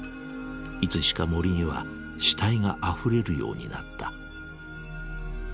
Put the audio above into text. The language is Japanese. いつしか森には死体があふれるようになった。